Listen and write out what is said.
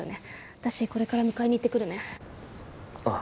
私これから迎えに行ってくるねああ